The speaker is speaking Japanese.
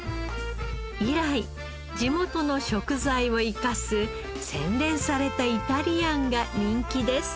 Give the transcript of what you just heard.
以来地元の食材を生かす洗練されたイタリアンが人気です。